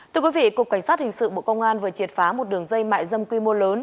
thưa quý vị cục cảnh sát hình sự bộ công an vừa triệt phá một đường dây mại dâm quy mô lớn